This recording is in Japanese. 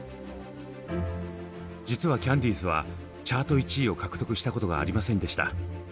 実はキャンディーズはチャート１位を獲得したことがありませんでした。